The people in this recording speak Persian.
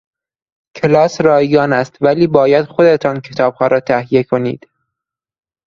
کلاس رایگان است ولی باید خودتان کتابها را تهیه کنید.